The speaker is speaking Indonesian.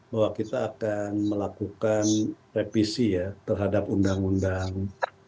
bahwa kita akan melakukan revisi ya terhadap undang undang